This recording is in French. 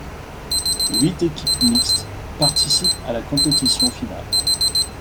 Huit équipes mixtes participent à la compétition finale.